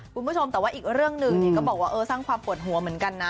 ปุ๊บมึดชมแต่ว่าอีกเรื่องหนึ่งเนี่ยก็บอกว่าเอ๋อส่างความกวดหัวเหมือนกันน่ะ